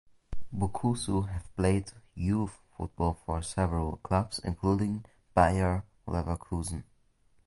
Bukusu have played youth football for several clubs including Bayer Leverkusen.